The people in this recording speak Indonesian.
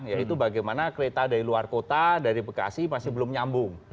yaitu bagaimana kereta dari luar kota dari bekasi masih belum nyambung